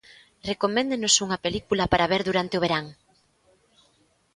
Recoméndenos unha película para ver durante o verán.